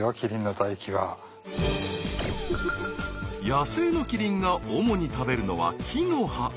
野生のキリンが主に食べるのは木の葉。